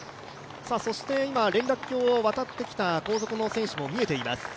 今、連絡橋を渡ってきた後続の選手も見えています。